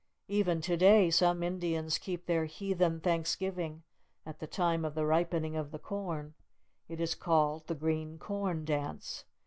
Even to day, some Indians keep their heathen Thanksgiving at the time of the ripening of the corn. It is called the Green Corn Dance.